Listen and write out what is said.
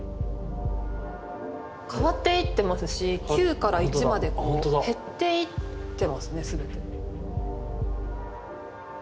変わっていってますし９から１までこう減っていってますね全て。